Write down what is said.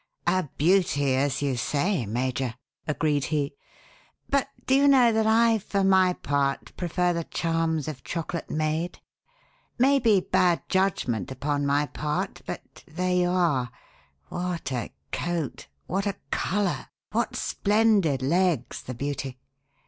"A beauty, as you say, Major," agreed he, "but do you know that I, for my part, prefer the charms of Chocolate Maid? May be bad judgment upon my part but there you are. What a coat! What a colour! What splendid legs, the beauty!